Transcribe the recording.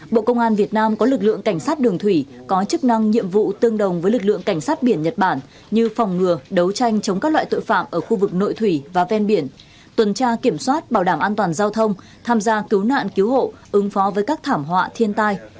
bộ công an việt nam có lực lượng cảnh sát đường thủy có chức năng nhiệm vụ tương đồng với lực lượng cảnh sát biển nhật bản như phòng ngừa đấu tranh chống các loại tội phạm ở khu vực nội thủy và ven biển tuần tra kiểm soát bảo đảm an toàn giao thông tham gia cứu nạn cứu hộ ứng phó với các thảm họa thiên tai